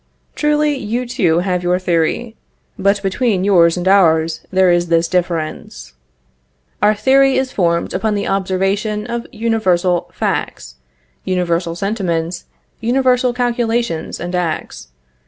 Truly, you too have your theory; but between yours and ours there is this difference: Our theory is formed upon the observation of universal facts, universal sentiments, universal calculations and acts.